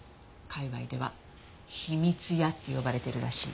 界隈では「秘密屋」って呼ばれてるらしい。